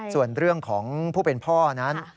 ส่วนเรื่องของผู้เป็นพ่อนั้น